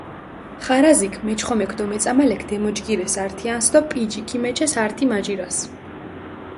ხარაზიქ, მეჩხომექ დო მეწამალექ დემოჯგირეს ართიანსჷ დო პიჯი ქიმეჩეს ართი-მაჟირას.